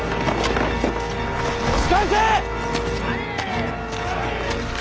押し返せ！